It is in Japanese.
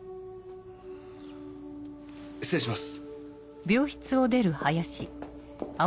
失礼します。